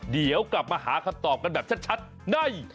เดี๋ยวกลับมาหาคำตอบกันแบบชัดใน